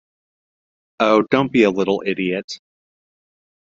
Oh, don't be a little idiot!